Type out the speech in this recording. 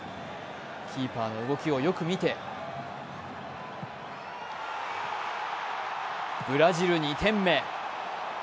キーパーの動きをよく見てブラジル２点目。